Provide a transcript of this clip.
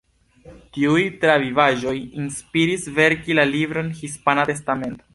Tiuj travivaĵoj inspiris verki la libron „Hispana Testamento“.